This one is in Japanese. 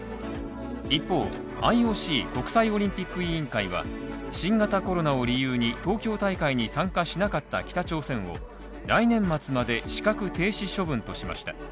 一方ＩＯＣ＝国際オリンピック委員会は新型コロナを理由に東京大会に参加しなかった北朝鮮を来年末まで資格停止処分としました